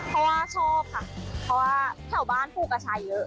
ชอบค่ะเพราะว่าแถวบ้านผู้กระชายเยอะ